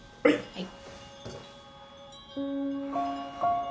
はい。